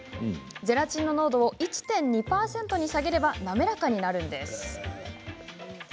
ゼラチンの濃度を１．２％に下げればなめらかになるんです。